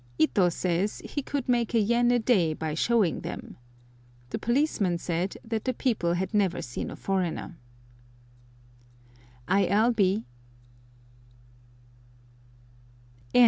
Ito says he could make a yen a day by showing them! The policeman said that the people had never seen a foreigner. I. L.